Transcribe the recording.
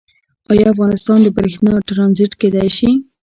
آیا افغانستان د بریښنا ټرانزیټ کیدی شي؟